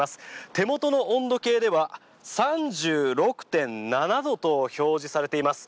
手元の温度計では３６．７度と表示されています。